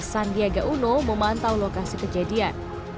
sandiaga uno memantau lokasi kejadian